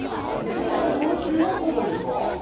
これ中学校じゃねえか？